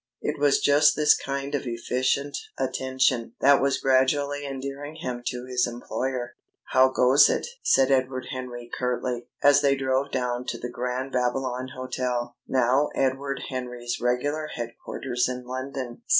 It was just this kind of efficient attention that was gradually endearing him to his employer. "How goes it?" said Edward Henry curtly, as they drove down to the Grand Babylon Hotel, now Edward Henry's regular headquarters in London.